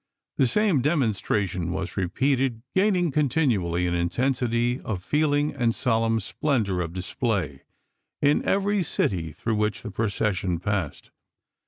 The same demonstration was repeated, gaining continually in intensity of feel ing and solemn splendor of display, in every city through which the procession passed.